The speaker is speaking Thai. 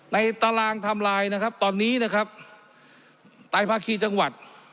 ตารางทำลายนะครับตอนนี้นะครับตายภาคีจังหวัด